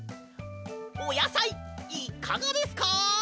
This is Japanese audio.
おやさいいかがですか？